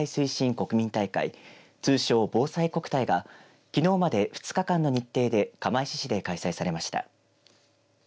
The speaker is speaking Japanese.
国民体会通称ぼうさいこくたいがきのうまで２日間の日程で釜石市で開催されました。